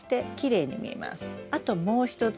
あともう一つ。